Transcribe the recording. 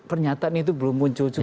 pernyataan itu belum muncul